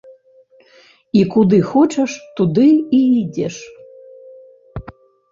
І куды хочаш, туды і ідзеш!